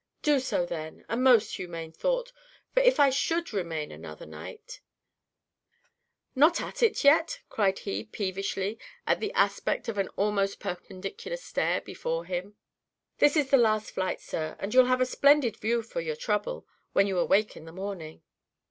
"Do so, then. A most humane thought; for if I should remain another night Not at it yet?" cried he, peevishly, at the aspect of an almost perpendicular stair before him. "This is the last flight, sir; and you'll have a splendid view for your trouble, when you awake in the morning."